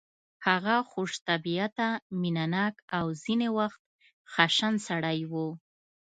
هغه خوش طبیعته مینه ناک او ځینې وخت خشن سړی و